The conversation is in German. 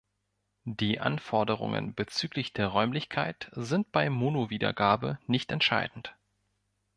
Die Anforderungen bezüglich der Räumlichkeit sind bei Mono-Wiedergabe nicht entscheidend.